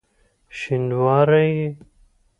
شینواری یې؟!